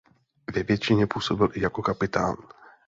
Ve většině působil i jako kapitán.